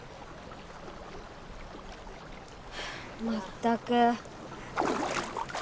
まったく。